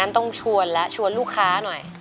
นั่นต้องชวนลูกค้าหน่อย